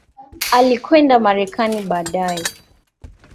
Alikwenda Marekani baadaye.